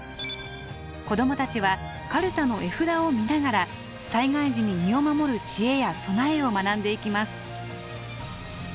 子どもたちはカルタの絵札を見ながら災害時に身を守る知恵や備えを学んでいきます。